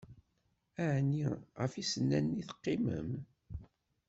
Ɛni, ɣef yisennanen i teqqimem?